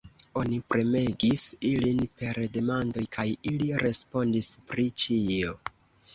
Oni premegis ilin per demandoj, kaj ili respondis pri ĉio.